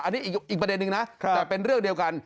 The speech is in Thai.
อันนี้อีกประเด็นนึงนะแต่เป็นเรื่องเดียวกัน